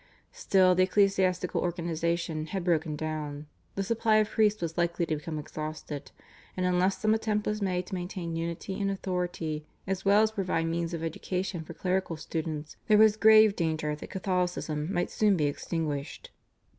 Still the ecclesiastical organisation had broken down; the supply of priests was likely to become exhausted, and, unless some attempt was made to maintain unity and authority, as well as provide means of education for clerical students, there was grave danger that Catholicism might soon be extinguished.